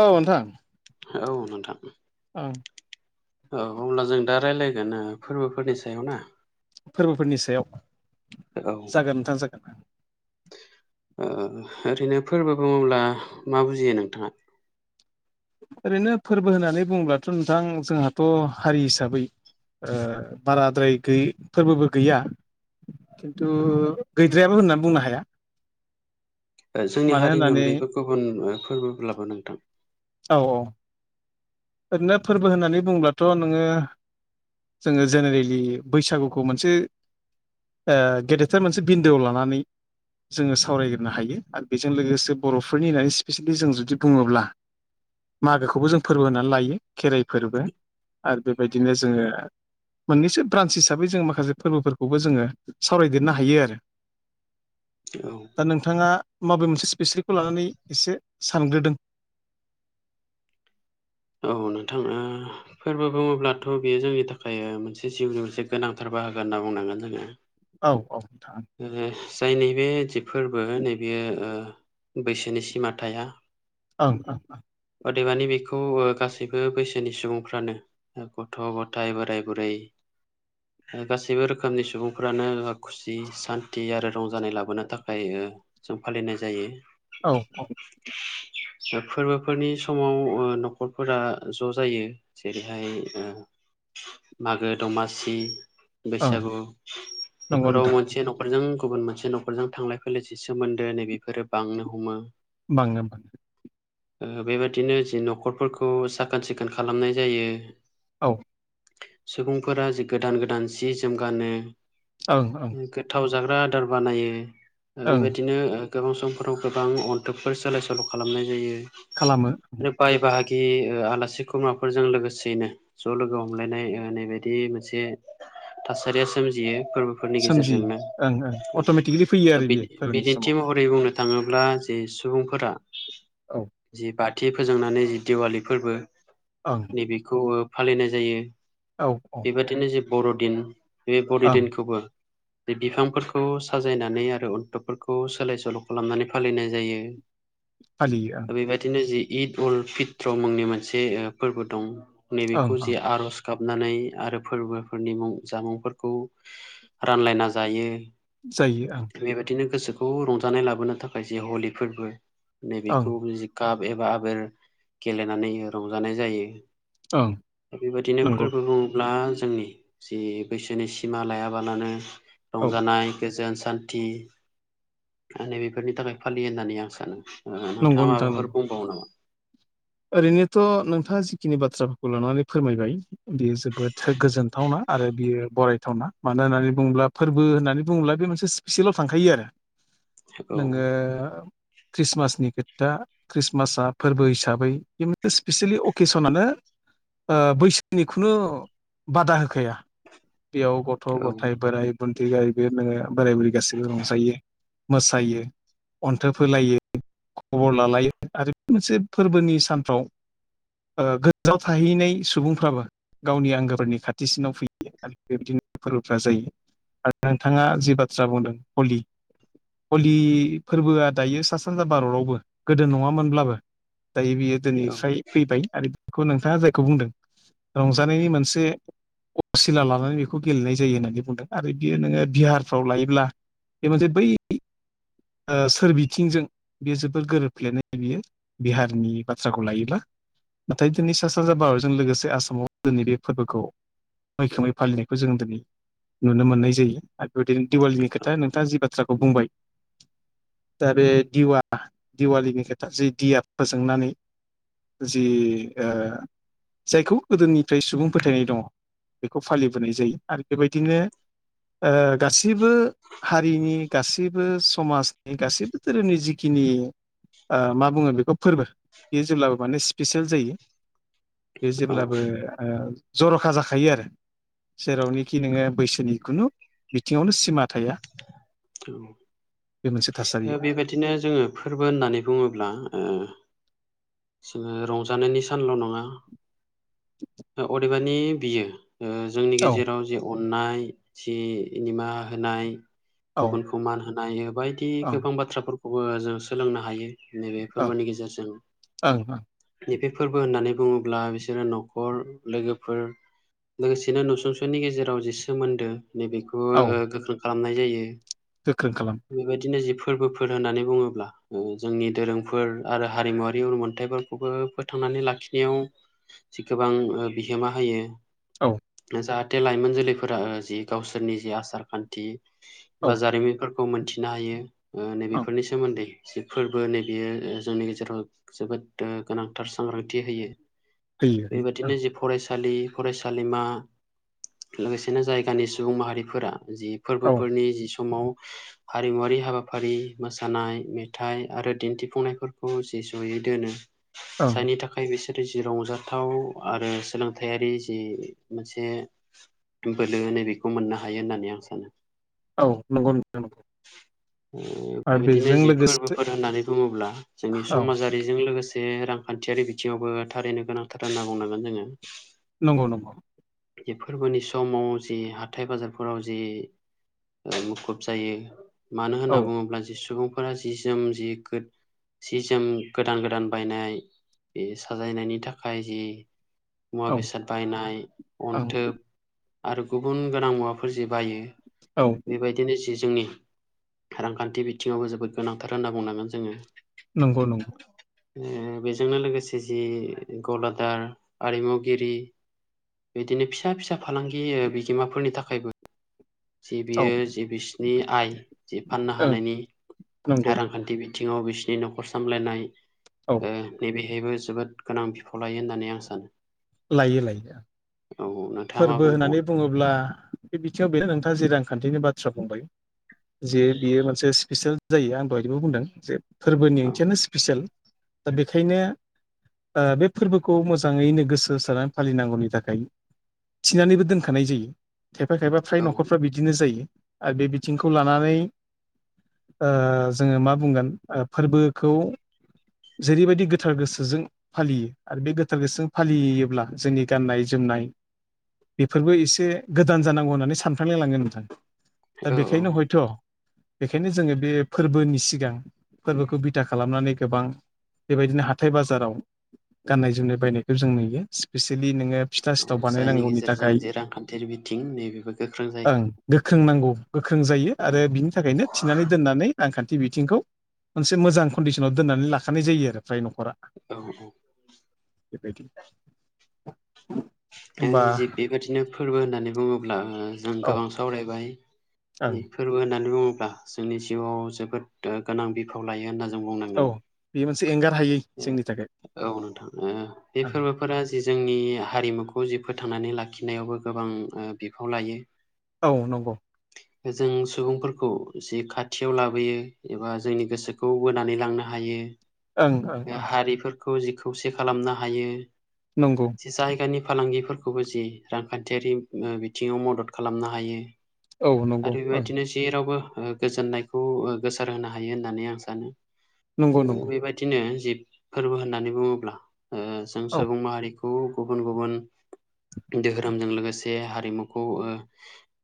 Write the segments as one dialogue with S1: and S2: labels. S1: औ नोंथां
S2: औ नोंथां
S1: ओ।
S2: औ अब्ला जों दा रायज्लायगोन ओ फोरबोफोरनि सायाव ना।
S1: फोरबोफोरनि सायाव
S2: औ ओ
S1: जागोन नोंथां जागोन।
S2: ओ ओरैनो फोरबो बुङोब्ला मा बुजियो नोंथाङा।
S1: ओरैनो फोरबो होननानै बुङोब्लाथ' नोंथां जोंहाथ' हारि हिसाबै ओ बाराद्राय गै फोरबोबो गैया खिन्थु
S2: औ
S1: गैद्रायाबो होननानै बुंनो हाया।
S2: जोंनि
S1: मानो
S2: हारिनि
S1: होननानै
S2: अनगायैबो गुबुन फोरबोब्लाबो नोंथां।
S1: औ-औ। ओरैनो फोरबो होननानै बुंब्लाथ' नोङो जोङो जेनेरेलि बैसागुखौ मोनसे ओ गेदेरथार मोनसे बिन्दोआव लानानै जोङो सावरायग्रोनो हायो आरो बेजों लोगोसे बर'फोरनि [unintelligible] स्पेसियेलि जों जुदि बुङोब्ला मागोखौबो जों फोरबो होनानै लायो खेराइ फोरबो आरो बेबायदिनो जोङो मोननैसो ब्रान्स हिसाबै जों माखासे फोरबोफोरखौबो जोङो सावरायदेरनो हायो आरो।
S2: औ
S1: दा नोंथाङा माबे मोनसे स्पेसिखौ लानानै एसे सानग्रोदों।
S2: औ नोंथां ओ फोरबो बुङोब्लाथ' बेयो जोंनि थाखाय मोनसे जिउनि मोनसे गोनां थार बाहखगोन होनना बुंनांगोन जोङो
S1: औ औ नोंथां
S2: [unintelligible] जाय नैबे जि फोरबो नैबे ओ बैसोनि सिमा थाया
S1: औं औं औ।
S2: अदेबानि बेखौ ओ गासैबो बैसोनि सुबुंफ्रानो गथ' गथाय बोराय बुरै गासैबो रोखोमनि सुबुंफ्रानो खुसि जि सान्थि आरो रंजानाय लाबोनो थाखाय जों फालिनाय जायो।
S1: औ औ।
S2: [unintelligible] फोरबोफोरनि समाव ओ न'खरफोरा ज' जायो जेरैहाय ओ मागो दमासि
S1: औ ओं
S2: बैसागु
S1: नंगौ
S2: बेफोराव
S1: नोंथां
S2: मोनसे न'खरजों गुबुन मोन मोनसे नखरजों थांलाय फैलाय सोमोन्दो नैबेफोरो बांनो हमो
S1: बाङो बां
S2: बेबादिनो जि न'खरफोरखौ साखोन सिखोन खालामनाय जायो।
S1: औ।
S2: सुबुंफोरा जि गोदान गोदान सि जोमगानो
S1: ओं ओं
S2: गोथाव जाग्रा आदार बानायो
S1: ओं
S2: बेबायदिनो गोबां समफोराव गोबां अन्थोबफोर सोलाय सोल' खालामनाय जायो।
S1: खालामो।
S2: बि आलासि खुरमाफोरजों लोगोसेयैनो ज' लोगो हमलायनाय नै बायदि मोनसे थासारिया सोमजियो फोर फोरनि
S1: सोमजियो
S2: गेजेरजोंनो
S1: ओं ओं अट'मेटिकेलि फैयो आरो बेयो फोरबोनि समाव
S2: बिदिन्थि महरै बुंनो थाङोब्ला जि सुबुंफोरा
S1: औ
S2: जि बाद खाथि फोजोंनानै जि दिवालि फोरबो
S1: ओं
S2: नैबेखौ फालिनाय जायो।
S1: औ औ।
S2: बेबादिनो जे बर'दिन बे
S1: ओं
S2: बर'दिनखौबो बिफांफोरखौ साजायनानै आरो अन्थबफोरखौ सोलाय सोल' खालामनानै फालिनाय जायो।
S1: फालियो ओं
S2: बेबायदिनो जि इद उल फित्र मुंनि मोनसे फोरबो दं।
S1: ओं
S2: नैबेखौ जे
S1: ओं
S2: आर'ज गाबनानै आरो फोरबोफोरनि मुं जामुंफोरखौ रानलायना जायो
S1: जायो ओं
S2: बेबायदिनो गोसो खौ रंजानाय लाबोनो थाखाय जे हलि फोरबो
S1: ओं
S2: नैबेखौ काप एबा आबिर गेलेनानै रंजानाय जायो।
S1: ओं
S2: बेबायदिनो
S1: नंगौ
S2: फोरबो बुङोब्ला जोंनि जि बैसोनि सिमा लायाबालानो
S1: औ
S2: रंजानाय गोजोन सान्थि मे बेफोरनि थाखाय फालियो होननानै आं सानो
S1: नंगौ
S2: नोंथाङा
S1: नोंथां नंगौ
S2: माबाफोर बुंबावो नामा?
S1: ओरैनोथ' नोंथाङा जिखिनि बाथ्राफोरखौ लानानै फोरमायबाय बेयो जोबोद गोजोनथावना। आरो बियो बरायथावना मानो होननानै बुङोब्ला फोरबो होननानै बुङोब्ला बे मोनसे स्पिसियेलाव थांखायो आरो
S2: औ
S1: नङ [unintelligible] खृस्टमासनि खोथा खृस्टमासआ फोरबो हिसाबै स्पेसियेलि अकेसनानो। बैसोनि खुनु बादा होखाया बेयाव गथ' गथाय बोराइ दन्थि गैबो नोङो बोराय बुरै गाैबो रंजायो मोसायो। अन्थो फोलायो खबर लालायो आरो बे मोनसे फोरबोनि सानफ्राव गोजाव थाहैनाय सुबुंफ्राबो गावनि आंगोफोरनि खाथिसिनाव फैयो। आरो बेबायदिनो फोरबोफ जायो आरो नोंथाङा जि बाथ्रा बुंदों हलि हलि फोरबोआ दायो सा सानजा भारतावबो गोदो नंङामोनब्लाबो दायो बे
S2: औ
S1: दिनैफ्राय फैबाय आरो बेखौ नोंथाङा जायखौ बुंदों रंजानायनि मोनसे असिला लानानै बेखौ गेलेनाय जायो होननानै बुंदों आरो बियो नोंङो बिहारफ्राव लायोब्ला बे मोनसे बै सोर बिथिंजों बेयो जोबोद गोरोबफ्लेनाय बियो बिहारनि बाथ्राखौ लायोब्ला नाथाय दिनै सा सानजा भारतजों लोगोसे आसामाव दिनै बे फोरबोखौ मैखोमै फालिनायखौ जों दिनै नुनो मोननाय जायो। आरो बेबायदिनो दिवालिनि खोथा नोंथाङा जि बाथ्राखौ बुंबाय दा बे दिवा दिवालिनि खोथा जि दिया फोजोंनानै जि ओ जायखौ गोदोनिफ्राय सुबुं फोथायनाय दंङ बेखौ फालिबोनाय जायो आरो बेबायदिनो गासिबो हारिनि गासैबो समाज गासैबो धोरोमनि जिखिनि मा बुंङो बेखौ फोरबो बेयो जेब्लाबो माने स्पेसियेल जायो बे
S2: औ
S1: जेब्लाबो जरखा जाखायो आरो। जेरावनिखि नोंङो बैसोनि खुनु बिथिङावनो सिमा थाया।
S2: औ।
S1: बे मोनसे थासारियाव
S2: बेबायदिनो जोंङो फोरबो होननानै बुंङोब्ला ओ जोंङो रंजानायनि सानल नंङा अदेबानि मानि बियो जोंनि
S1: औ
S2: गेजेराव जि अननाय जि निनिमा होनाय
S1: ओं
S2: गुबुनखौ मान होनाय बायदि गोबां बाथ्राफोरखौबो जों सोलोंनो हायो नैबे
S1: ओं
S2: फोरबोनि गेजेरजों
S1: ओं ओं
S2: नैबे फोरबो होननानै बुंङोब्ला बिसोरो नखर लोगोफोर लोगोसेनो नसुंसनि गेजेराव जि सोमोन्दो नैबेखौ
S1: औ
S2: गोख्रों खालामनाय जायो
S1: गोख्रों खालाम
S2: बेबायदिनो जिफोर फोरबोफोर होननानै बुङोब्ला जोंनि दोरोंफोर आरो हारिमुवारि उन मोन्थाइफोरखौबो फोथांनानै नानै लाखिनायाव गोबां बिहोमा होयो
S1: औ।
S2: जाहाथे लाइमोन जोलैफोरा जि गावसोरनि जि आसार खान्थि
S1: औ
S2: बा जारिमिनफोर खौ मोनथिनो हायो
S1: ओं
S2: नैबेफोरनि सोमोन्दै जि फोरबो नैबयो जोंनि गेजेराव जोबोद गोनांथार सांग्रांथि होयो।
S1: होयो होयो
S2: बेबायदिनो जि फरायसा फरायसालि फरायसालिमा लोगोसेनो जायगानि सुबुं माहारिफोरा जि
S1: ओं
S2: फोरबोफोरनि जि समाव हारिमुवारि हाबा हाबाफारि मोसानाय मेथाइ आरो दिन्थिफुंनायफोरखौ जे जयै दोनो
S1: औ ओं
S2: जायनि थाखाय बिसोर जि रंजाथाव आरो सोलोंथायारि जि मोनसे बोलो होनो बेखौ मोननो हायो होननानै आं सानो।
S1: औ नंगौ नोंथां नंगौ‌।
S2: बेबायदिनो जि फोरबोफोर होननानै बुङोब्ला जोंनि
S1: औ
S2: समाजारिजों लोगोसे जे रांखान्थियारि बिथिङावबो थारैनो गोनांथार होनना बुंनांगोन जोंङो
S1: नंगौ नंगौ
S2: बे फोरबोनि समाव जि हाथाय बाजारफोराव जि मुखुब जायो मानो होनना
S1: औ
S2: बुंङोब्ला ज सुबुंफोरा जि जोम जि गो जि जोम गोदान गोदान बायनाय बे साजायनायनि थाखाय जि मुवा
S1: औ ओं
S2: बेसाद बायनाय अन्थोब आरो गुबुन गोनां मुवाफोर जि बायो
S1: औ
S2: बेबायदिनो जि जोंनि रांखान्थि बिथिङावबो जोबोद गोनांथार होनना बुंनांगोन जोंङो
S1: नंगौ नंगौ।
S2: बेजोंनो लोगोसे जि गलादार आरिमुगिरि बिदिनो फिसा फिसा फालांगि बिगोमाफोरनि थाखायबो जि
S1: औ
S2: बियो जे बिसिनि आइ जि फाननो
S1: ओं
S2: हानायनि
S1: नंगौ
S2: रांखान्थि बि बिथिङाव बिसिनि न'खर सामलायनाय
S1: औ
S2: ओ नैबे बेबो जोबोद गोनां बिफाव लायो होननानै आं सानो
S1: लायो लायो
S2: औ नोंथाङा मा
S1: फोरबो
S2: बुंबावगोन
S1: होननानै बुङोब्ला बे बिथिङाव बेनो नोंथां जि रांखान्थिनि बाथ्रा बुंबाय जे बियो मोनसे स्पिसियेल जायो आंबो बिदिबो बुंदों जे फोरबोनि
S2: औ
S1: ओंथियानो स्पिसियेल दा बेखायनो बे फोरबोखौ मोजाङैनो गोसो होसारनानै फालिनांगौनि थाखाय थिनानैबो दोनखानाय जायो खायफा खायफा फ्राय न'खरफ्रा
S2: औ
S1: बिदिनो जायो आरो बे बिथिंखौ लानानै जोङो मा बुंगोन फोरबोखौ जेरैबायदि गोथार गोसोजों फालियो आरो बे गोथार गोसोजों फालियो ब्ला जोंनि गाननाय जोमनाय बेफोरबो एसे गोदान जानांगौ होननानै सानफ्लांलाय लाङो नोंथां दा
S2: औ औ
S1: बेखायनो हयथ' बेखायनो जोङो बे फोरबोनि सिगां फोरबोखौ बिथा खालामनानै गोबां बेबायदिनो हाथाय बाजाराव गाननाय जोमनाय बायनायखौ जों नुयो नो फिथा
S2: औ
S1: सिथाव
S2: जायनि
S1: बानायनांगौनि
S2: गेजेरजों
S1: थाखाय
S2: जे रांखान्थियारि बिथिं नैबेबो गोख्रों
S1: ओं
S2: जायो
S1: गोख्रों नांगौ गोख्रों जायो आरो
S2: औ
S1: बिनि थाखायनो थिनानै दोननानै रांखान्थि बिथिंखौ मोनसे मोजां कनदिसनाव दोननानै लाखानाय जायो आरो जाय न'खरा
S2: औ
S1: बेबायदि [inaudible]
S2: जि बेबादिनो फोरबो होननानै बुङोब्ला जों
S1: औ
S2: गोबां सावरायबाय
S1: ओं
S2: फोरबो होननानै बुङोब्ला बा जोंनि जिउवाव जोबोद गोनां बिफाव लायो होनना जों
S1: औ
S2: बुंनांगोन
S1: बेयो मोनसे एंगार हायै जोंनि थाखाय
S2: औ नोंथां ओ बे
S1: ओं
S2: फोरबोफोरा जोंनि हारिमुखौ जि फोथांनानै लाखिनायावबो गोबां बिफाव लायो
S1: औ नंगौ
S2: जों सुबुंफोरखौ जि खाथियाव लाबोयो एबा जोंनि गोसोखौ बोनानै लांनो हायो।
S1: ओं ओं ओं
S2: खौ जि खौसे खालामनो हायो
S1: नंगौ
S2: जे जायगानि फालांगिफोरखौबो जि रांखान्थियारि बिथिङाव मदद खालामनो हायो।
S1: औ नंगौ
S2: आरो
S1: ओं
S2: बेबायदिनो जेरावबो ओ गोजोननायखौ गोसारहोनो हायो होननानै जों सानो
S1: नंगौ नंगौ
S2: बेबायदिनो जिब फोरबो होननानै बुङोब्ला जों
S1: औ
S2: सुबुं माहारिखौ गुबुन गुबुन दोहोरोमजों लोगोसे हारिमुखौ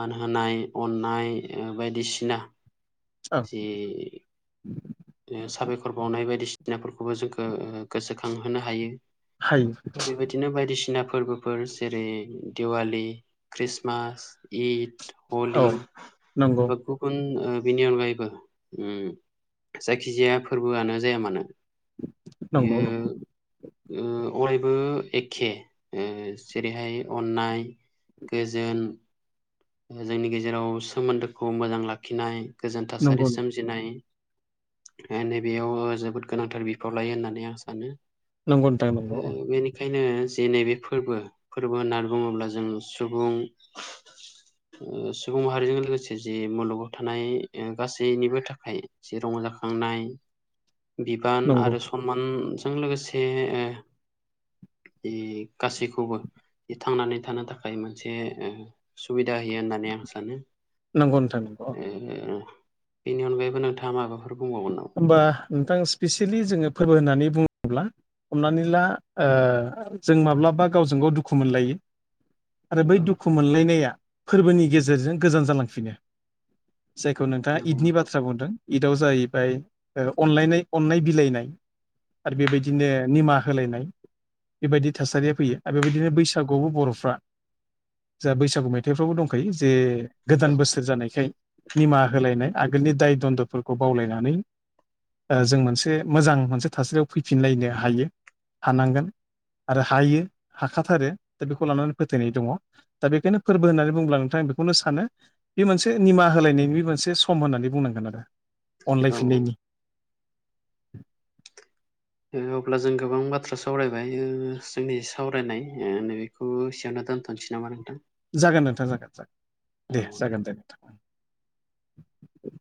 S2: मान होनोनाय अननाय बायदि बिसिना
S1: ओं
S2: जि साबायखर बावनाय बायदिसिनाफोरखौबो जोंखो गोसोखांहोनो हायो।
S1: हायो
S2: बेबायदिनो बायदिसिना फोरबोफोर जेरै दिवालि, ख्रिस्टमास, इद
S1: औ
S2: हलि
S1: नंगौ
S2: गुबुन बिनि अगायबो उम जायखिजाया फोरबोआनो जाया मानो
S1: नंगौ
S2: बियो
S1: नंगौ
S2: अराय बो एखे ओ जेरैहाय अननाय गोजोन जोंनि गेजेराव सोमोन्दोखौ मोजां लाखिनाय गोजोन थासारि
S1: नंगौ
S2: सोमजिनाय नैबेयाव जोबोद गोनांथार बिफाव लायो होननानै आं सानो
S1: नंगौ नोंथां नंगौ
S2: बेनो जे नैबे फोरबो फोरबो होननानै बुङोब्ला जों सुबुं सुबुं माहारिजों लोगोसे जि मुलुगाव थानाय गासैनिबो थाखाय जि रंजाखां खांनाय बिबान
S1: नंगौ
S2: आरो सनमानजों लोगोसे गासैखौबो थांनानै थानो थाखाय मोनसे सुबिदा जाहयो होननानै आं सानो
S1: नंगौ नोंथां नंगौ
S2: बेनि अनगायैबो नोंथाङा माबा
S1: होमबा नोंथां स्पेसियेलि जोङो फोरबो होननानै बुङो होनब्ला हमनानै ला ओ जों माब्लाबा गावजों गाव दुखु मोनलायो आरो बै
S2: नामा औ
S1: दुखु मोनलायनाया फोरबोनि गेजेरजों गोजान जालांफिनो। जायखौ नोंथाङा
S2: नंगौ
S1: इदनि
S2: नोंथां
S1: बाथ्रा बुंदों इदाव जाइ अनलायनाय अननाय बिलाइनाय आरो बेबायदिनो निमाहा होलायनाय बेबायदि थासारिया फैयो आरो बेबायदिनो बैसागुआवबो बर'फ्रा जा बैसागु मेथाइफ्रावबो दंखायो जे गोदान
S2: औ
S1: बोसोर जानायखाय निमाहा होलायनाय आगोलनि दाय दन्द'फोरखौ बावलायनानै ओ जों मोनसे मोजां मोनसे थासारियाव फैफिनलायनो हायो हानांगोन आरो हायो हाखाथारो दा बेखौ लानानै फोथायनाय दङ दा बेखायनो फोरबो होननानै बुङोब्ला नोंथां आं बेखौनो सानो बे मोनसे निमाहा होलायनायनि मोनसे सम होननानै बुंनांगोन आरो।
S2: औ औ
S1: अनलायफिननायनि।
S2: अब्ला जों गोबां बाथ्रा सावरायबाय जोंनि सावरायनाय नैबेखौ एसेयावनो दोनथ' जों ज नोसै नामा नोंथां।
S1: जागोन नोंथां जागोन दे जागोन दे नोंथां। [inaudible]